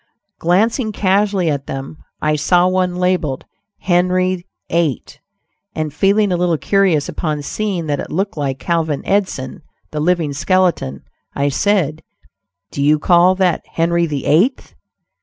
Glancing casually at them, I saw one labeled "Henry VIII," and feeling a little curious upon seeing that it looked like Calvin Edson, the living skeleton, I said: "Do you call that 'Henry the Eighth?'"